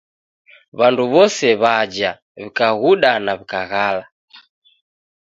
W'andu w'ose w'aja w'ikaghuda na w'ikaghala